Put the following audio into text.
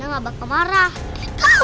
agak nggak usah maquirsal particularly cute